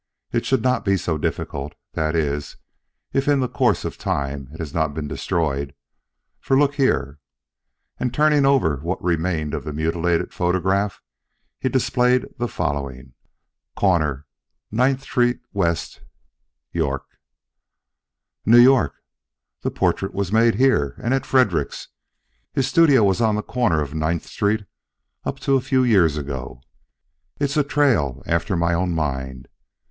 It should not be so difficult, that is, if in the course of time it has not been destroyed, for look here." And turning over what remained of the mutilated photograph he displayed the following: Cor. 9th Street w York) "New York! The portrait was made here and at Fredericks'. His studio was on the corner of Ninth Street up to a few years ago. It's a trail after my own mind.